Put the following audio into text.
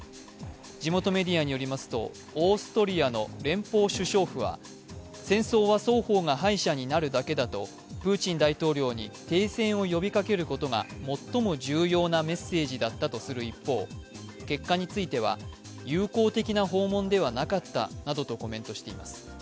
地元メディアによりますと、オーストリアの連邦首相府は戦争は双方が敗者になるだけだとプーチン大統領に停戦を呼びかけることが最も重要なメッセージだったとする一方、結果については友好的な訪問ではなかったなどとコメントしています。